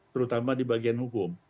terutama di bagian hukum